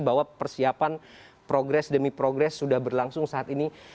bahwa persiapan progres demi progres sudah berlangsung saat ini